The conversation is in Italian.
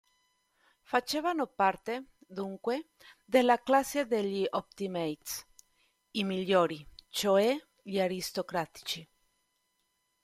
Facevano parte, dunque, della classe degli "optimates", i "migliori", cioè gli aristocratici.